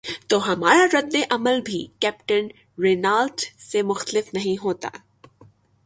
تو ہمارا رد عمل بھی کیپٹن رینالٹ سے مختلف نہیں ہوتا۔